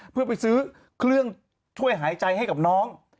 เพื่อไปซื้อเครื่องช่วยหายใจให้กับน้อง